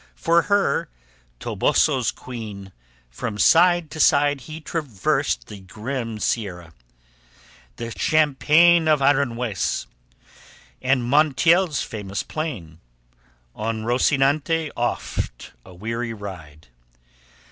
For her, Toboso's queen, from side to side He traversed the grim sierra, the champaign Of Aranjuez, and Montiel's famous plain: On Rocinante oft a weary ride.